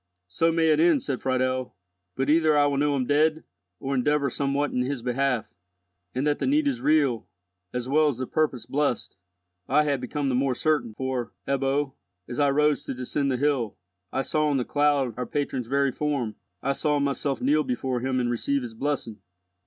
"So may it end," said Friedel, "but either I will know him dead, or endeavour somewhat in his behalf. And that the need is real, as well as the purpose blessed, I have become the more certain, for, Ebbo, as I rose to descend the hill, I saw on the cloud our patron's very form—I saw myself kneel before him and receive his blessing."